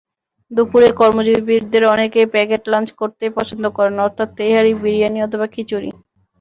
দুপুরে কর্মজীবীদের অনেকেই packet lunch করতেই পছন্দ করেন, অর্থাৎ তেহারি, বিরিয়ানি অথবা খিচুড়ি।